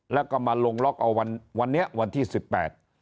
แล้วก็มาลงล็อกเอาวันวันนี้วันที่สิบแปด